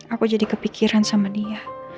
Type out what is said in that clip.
aku jadi kepikiran sama dia